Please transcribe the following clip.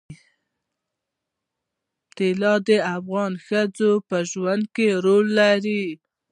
طلا د افغان ښځو په ژوند کې رول لري.